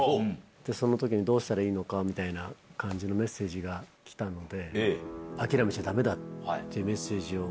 その時にどうしたらいいのかみたいなメッセージが来たので。